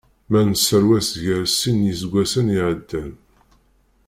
Ma neserwes gar sin n yiseggasen iɛeddan.